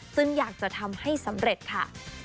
ซึ่งอยากจะทำให้สำเร็จค่ะ